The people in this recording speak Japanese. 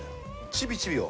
ちびちびよ